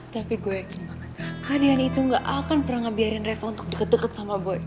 tapi gue yakin banget kehadian itu gak akan pernah ngebiarin reva untuk deket deket sama boy